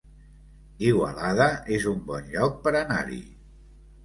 Igualada es un bon lloc per anar-hi